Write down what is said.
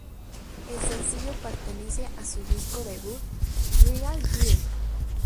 El sencillo pertenece a su disco debut, "Real Girl".